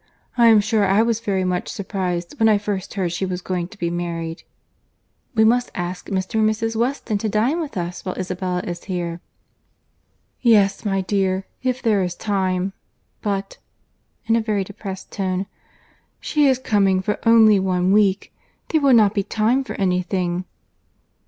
I am sure I was very much surprized when I first heard she was going to be married." "We must ask Mr. and Mrs. Weston to dine with us, while Isabella is here." "Yes, my dear, if there is time.—But—(in a very depressed tone)—she is coming for only one week. There will not be time for any thing."